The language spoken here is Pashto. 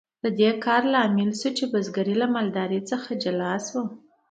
د دې کار لامل شو چې بزګري له مالدارۍ څخه جلا شي.